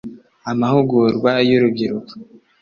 amahugurwa y urubyiruko.